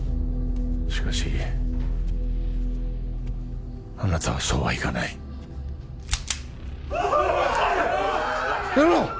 しかしあなたはそうはいかないやめろ！